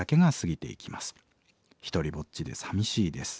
独りぼっちでさみしいです。